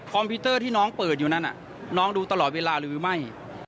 พิวเตอร์ที่น้องเปิดอยู่นั่นน้องดูตลอดเวลาหรือไม่